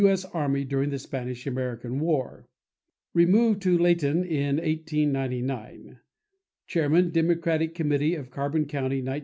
S. Army, during the Spanish American War. Removed to Lehighton in 1899. Chairman Democratic Committee of Carbon County, 1905.